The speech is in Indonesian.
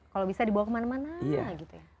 kalau bisa dibawa kemana mana lah gitu ya